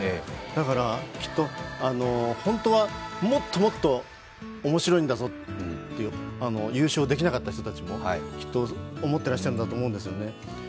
だからきっと、本当はもっともっと面白いんだぞっていう、優勝できなかった人たちも、きっと思っていらっしゃるんだと思うんですよね。